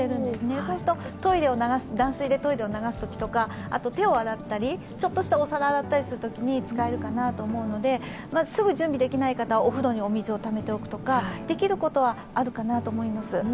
そうすると断水でトイレを流すときや、手を洗ったりちょっとしたお皿を洗うのに使えるかなと思うので、すぐ準備できない方はお風呂にお水をためておくとか、できることはあるかなと思います。